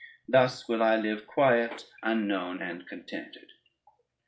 Thus will I live quiet, unknown, and contented."